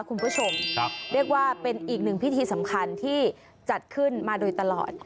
คุณผู้ชมเรียกว่าเป็นอีกหนึ่งพิธีสำคัญที่จัดขึ้นมาโดยตลอด